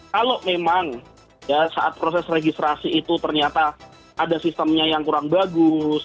kalau memang saat proses registrasi itu ternyata ada sistemnya yang kurang bagus